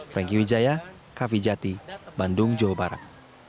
franky wijaya kavijati bandung jawa barat